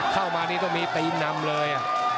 เข้ามานี่จะต้องมีไปปริ้นนำเลย